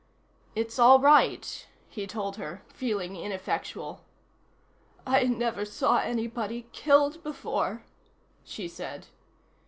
"It's all right," he told her, feeling ineffectual. "I never saw anybody killed before," she said.